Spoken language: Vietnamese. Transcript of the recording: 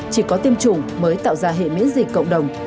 chỉ có tiêm chủng mới tạo ra hệ miễn dịch cộng đồng